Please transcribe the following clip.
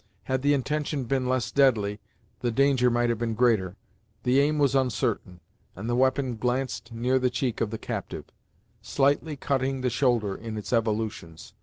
Had the intention been less deadly, the danger might have been greater. The aim was uncertain, and the weapon glanced near the cheek of the captive, slightly cutting the shoulder in its evolutions.